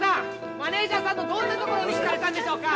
マネージャーさんのどんなところにひかれたんでしょうか？